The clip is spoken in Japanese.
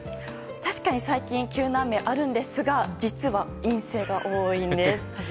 確かに最近は急な雨あるんですが実は、陰性が多いんです。